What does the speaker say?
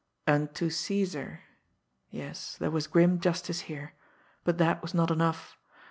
"Unto Caesar!" yes, there was grim justice here but that was not enough!